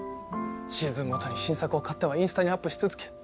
シーズンごとに新作を買ってはインスタにアップし続け